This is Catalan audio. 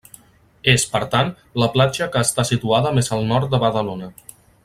És, per tant, la platja que està situada més al nord de Badalona.